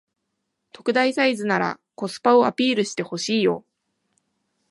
特大サイズならコスパをアピールしてほしいよ